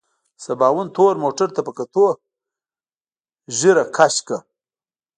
سباوون تور موټر ته په کتو ږيرې کش کړ.